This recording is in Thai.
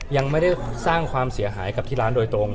ยังไม่ได้สร้างความเสียหายกับที่ร้านโดยตรง